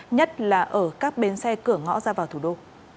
nhất là ở các bến xe cửa ngõ ra vào thủ đô